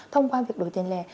thông qua việc đổi tiền lẻ